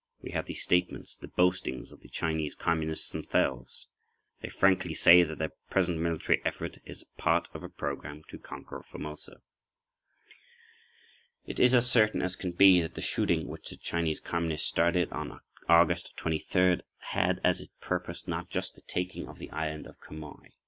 We have the statements, the boastings, of the Chinese Communists themselves. They frankly say that their present military effort is part of a program to conquer Formosa. It is as certain as can be that the shooting which the Chinese Communists started on August 23d had as its purpose not just the taking of the island of Quemoy.